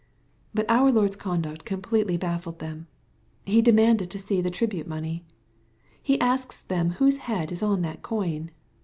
— But our Lord's conduct completely baffled them. He demanded to see the tribute money. He asks them whose head is on that coin.